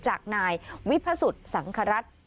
จากนายวิพสุษสังครรท